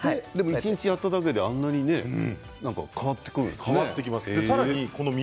一日やっただけであんなに変わってくるんですね。